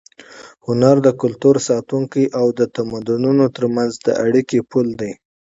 هنر د کلتور ساتونکی او د تمدنونو تر منځ د اړیکې پُل دی.